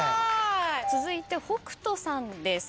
続いて北斗さんです。